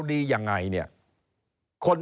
เริ่มตั้งแต่หาเสียงสมัครลง